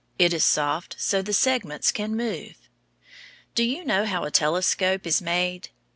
It is soft so the segments can move. Do you know how a telescope is made?